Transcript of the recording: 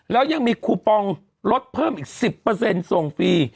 แล้วยังมีคูปองลดเพิ่มอีก๑๐ส่งฟรี